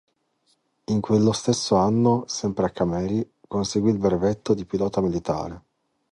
In quello stesso anno, sempre a Cameri, conseguì il brevetto di pilota militare.